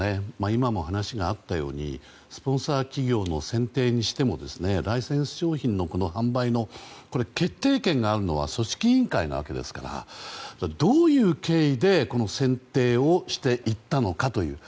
今も話があったようにスポンサー企業の選定にしてもライセンス商品の販売の決定権があるのは組織委員会なわけですからどういう経緯で選定をしていったのかという。